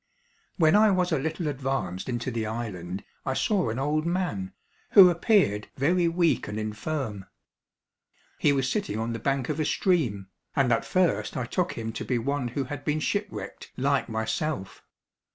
When I was a little advanced into the island I saw an old man, who appeared very weak and infirm. He was sitting on the bank of a stream, and at first I took him to be one who had been shipwrecked like myself.